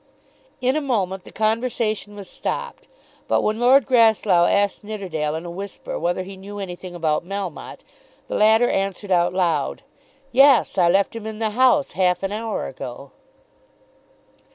In a moment the conversation was stopped; but when Lord Grasslough asked Nidderdale in a whisper whether he knew anything about Melmotte, the latter answered out loud, "Yes; I left him in the House half an hour ago."